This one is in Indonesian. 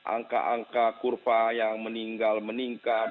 angka angka kurva yang meninggal meningkat